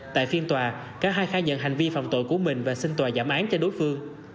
tại phiên tòa cả hai khai nhận hành vi phạm tội của mình và xin tòa giảm án cho đối phương